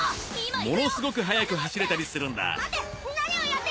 ものすごく速く走れたりするんだ待て！